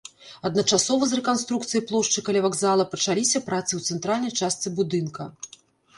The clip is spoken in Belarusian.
Адначасова з рэканструкцыяй плошчы каля вакзала пачаліся працы ў цэнтральнай частцы будынка.